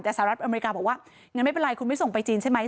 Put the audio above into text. แต่สหรัฐอเมริกาบอกว่างั้นไม่เป็นไรคุณไม่ส่งไปจีนใช่ไหม